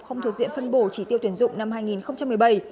không thuộc diện phân bổ chỉ tiêu tuyển dụng năm hai nghìn một mươi bảy